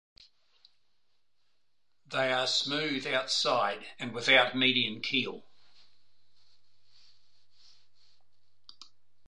They are smooth outside and without median keel.